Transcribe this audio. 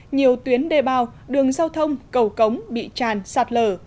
nhiều tuyến đê bao đường giao thông cầu cống bị tràn sạt lở